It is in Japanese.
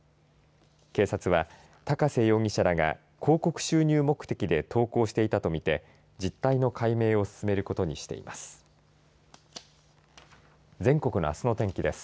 警察は、高瀬容疑者らが広告収入目的で投稿していたとみて実態の解明を進めることにしています。